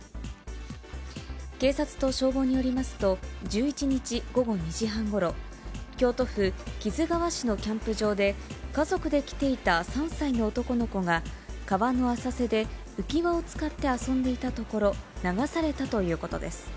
警察と消防によりますと、１１日午後２時半ごろ、京都府木津川市のキャンプ場で、家族で来ていた３歳の男の子が、川の浅瀬で浮き輪を使って遊んでいたところ、流されたということです。